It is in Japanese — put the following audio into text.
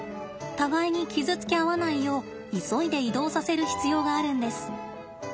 互いに傷つけ合わないよう急いで移動させる必要があるんです。